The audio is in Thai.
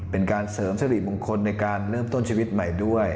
เป็นการเสริมสริมงคลในการเริ่มต้นชีวิตใหม่ด้วย